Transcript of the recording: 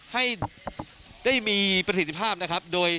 ให้ได้มีประสิทธิภาพนะครับโดย